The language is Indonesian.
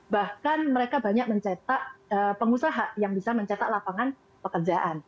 bahkan mereka banyak mencetak pengusaha yang bisa mencetak lapangan pekerjaan